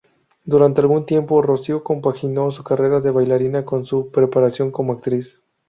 Durante algún tiempo Rocío compaginó su carrera de bailarina con su preparación como actriz.